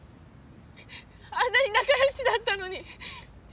あんなに仲良しだったのに。